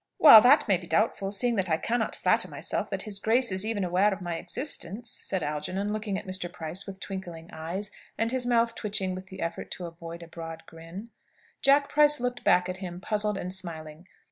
"Well, that may be doubtful, seeing that I cannot flatter myself that his Grace is even aware of my existence," said Algernon, looking at Mr. Price with twinkling eyes, and his mouth twitching with the effort to avoid a broad grin. Jack Price looked back at him, puzzled and smiling.